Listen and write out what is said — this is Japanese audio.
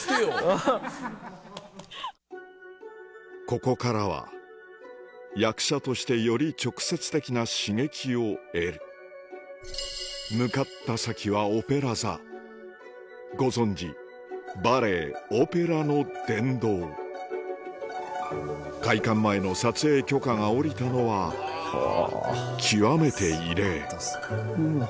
ここからは役者としてより直接的な刺激を得る向かった先はご存じバレエオペラの殿堂開館前の撮影許可が下りたのは極めて異例うわ！